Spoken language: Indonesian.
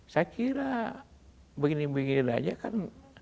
saya kira begini begini aja kan